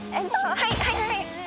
はいはいはい！